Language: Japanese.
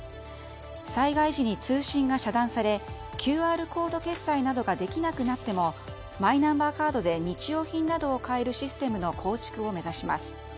災害時に通信が遮断されＱＲコード決済などができなくなってもマイナンバーカードで日用品などを買えるシステムの構築を目指します。